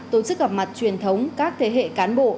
tổ chức gặp mặt truyền thống các thế hệ cán bộ